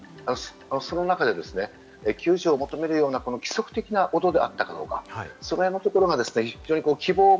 その中で救助を求めるような規則的な音であったかどうか、その辺のところが希望を